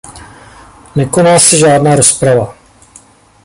Nekoná se žádná rozprava.